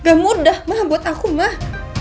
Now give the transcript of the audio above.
nggak mudah mah buat aku mah